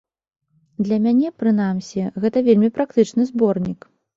Для мяне, прынамсі, гэта вельмі практычны зборнік.